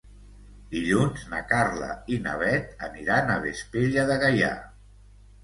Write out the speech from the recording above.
Dilluns na Carla i na Bet aniran a Vespella de Gaià.